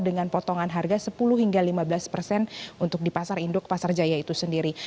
dengan potongan harga sepuluh hingga lima belas persen untuk di pasar induk pasar jaya itu sendiri